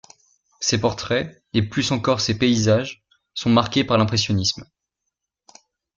Ses portraits, et plus encore ses paysages, sont marqués par l'impressionnisme.